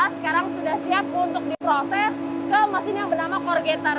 sekarang sudah siap untuk diproses ke mesin yang bernama corgator